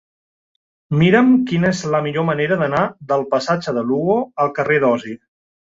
Mira'm quina és la millor manera d'anar del passatge de Lugo al carrer d'Osi.